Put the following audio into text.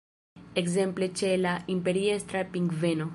Ekzemple ĉe la Imperiestra pingveno.